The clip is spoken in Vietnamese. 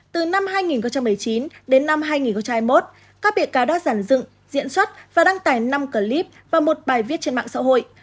từ năm hai nghìn một mươi chín đến năm hai nghìn hai mươi một các bị cáo đã giản dựng diễn xuất và đăng tải năm clip và một bài viết trên mạng xã hội